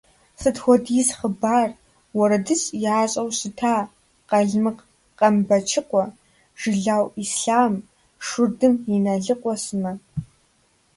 Сыт хуэдиз хъыбар, уэрэдыжь ящӏэу щыта Къалмыкъ Къамбэчыкъуэ, Жылау Ислъам, Шурдым Иналыкъуэ сымэ.